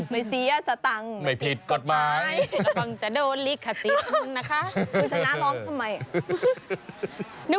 ไม่เสียสตังค์ไม่ติดกฎไม้ก็ต้องจะโดนลิขติดนะคะ